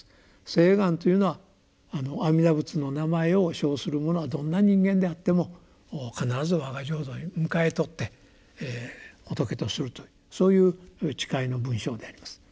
「誓願」というのは阿弥陀仏の名前を称するものはどんな人間であっても必ずわが浄土に迎えとって仏とするというそういう誓いの文章であります。